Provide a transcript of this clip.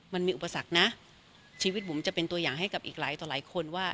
มันมีอุปสรรคนะชีวิตบุ๋มจะเป็นตัวอย่างให้กับอีกหลายต่อหลายคนว่า